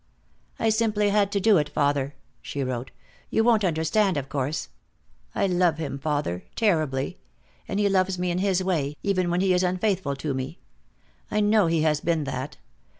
"I simply had to do it, father," she wrote. "You won't understand, of course. I love him, father. Terribly. And he loves me in his way, even when he is unfaithful to me. I know he has been that.